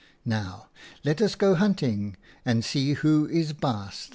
Now let us go hunting and see who is baas there.'